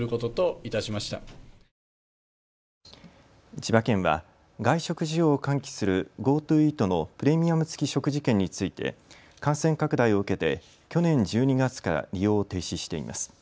千葉県は外食需要を喚起するＧｏＴｏイートのプレミアム付き食事券について感染拡大を受けて去年１２月から利用を停止しています。